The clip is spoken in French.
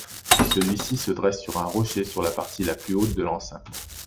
Celui-ci se dresse sur un rocher dans la partie la plus haute de l'enceinte.